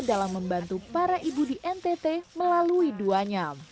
dalam membantu para ibu di ntt melalui duanyam